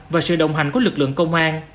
và sự đồng hành của lực lượng công an